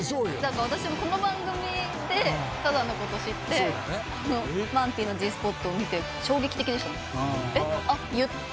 私もこの番組でサザンのこと知って『マンピーのＧ★ＳＰＯＴ』を見て衝撃的でした。